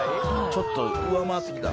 ちょっと上回ってきた？